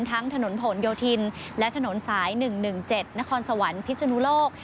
ทั้งถนนผลโยธินและถนนสาย๑๑๗นครสวรรค์พิศนุโลก